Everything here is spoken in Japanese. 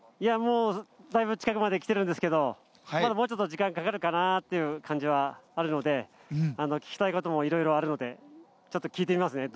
だいぶ近くまで来ているんですかまだもうちょっと時間がかかるからという感じはあるので聞きたいことも色々あるのでちょっと聞いてみます。